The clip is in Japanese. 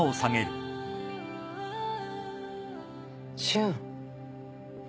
瞬。